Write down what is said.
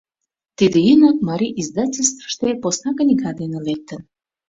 Тиде ийынак Марий издательствыште посна книга дене лектын.